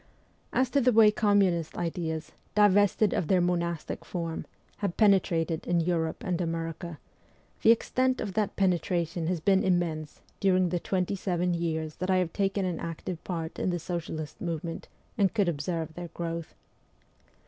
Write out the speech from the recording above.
As to the way communist ideas, divested of their monastic form, have penetrated in Europe and America, the extent of that penetration has been immense during the twenty seven years that I have taken an active part in the socialist movement and could observe their growth.